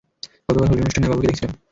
গতকাল হোলির অনুষ্ঠানে বাবুকে দেখেছিলাম।